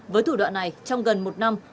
với thủ đoạn này trong gần một năm